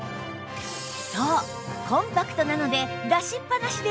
そうコンパクトなので出しっぱなしでオーケー